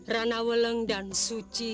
ranaweleng dan suci